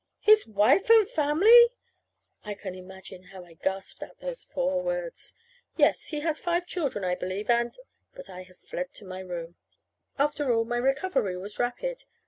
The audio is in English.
"His wife and family!" I can imagine about how I gasped out those four words. "Yes. He has five children, I believe, and " But I had fled to my room. After all, my recovery was rapid.